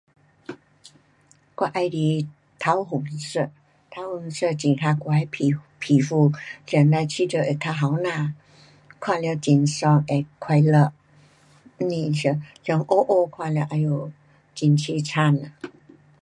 我喜欢桃红色，桃红色很合我的皮，皮肤，穿了觉得会较年轻。看了很爽会快乐。不是穿穿，黑黑，黑黑看了哎哟很凄惨。